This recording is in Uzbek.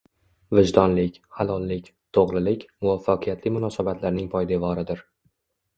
Vijdonlilik, halollik, to‘g‘rilik – muvaffaqiyatli munosabatlarning poydevoridir.